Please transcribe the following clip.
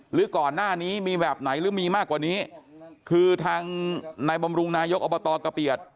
หรือก่อนหน้านี้มีแบบไหนหรือมีมากกว่านี้คือทางนายบำรุงนายกอบตกะเปียด